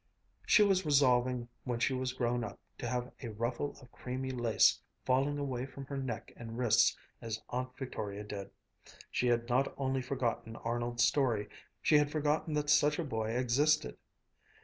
She was resolving when she was grown up to have a ruffle of creamy lace falling away from her neck and wrists as Aunt Victoria did. She had not only forgotten Arnold's story, she had forgotten that such a boy existed.